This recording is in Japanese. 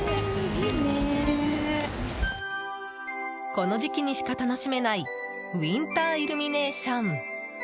この時期にしか楽しめないウィンターイルミネーション。